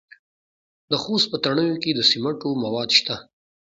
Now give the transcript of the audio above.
د خوست په تڼیو کې د سمنټو مواد شته.